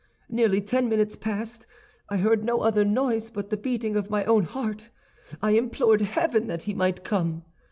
"Nearly ten minutes passed; I heard no other noise but the beating of my own heart. I implored heaven that he might come.